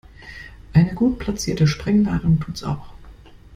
Eine gut platzierte Sprengladung tut's auch.